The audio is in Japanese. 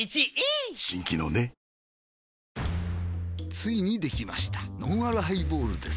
ついにできましたのんあるハイボールです